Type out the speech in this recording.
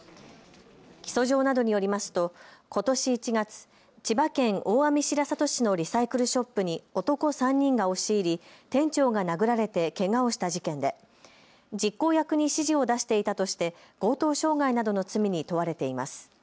起訴状などによりますとことし１月、千葉県大網白里市のリサイクルショップに男３人が押し入り、店長が殴られてけがをした事件で実行役に指示を出していたとして強盗傷害などの罪に問われています。